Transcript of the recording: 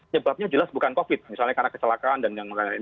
sebabnya jelas bukan covid misalnya karena kecelakaan dan yang lain